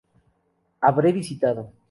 Habré visitado